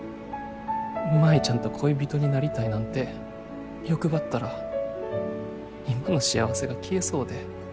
舞ちゃんと恋人になりたいなんて欲張ったら今の幸せが消えそうで。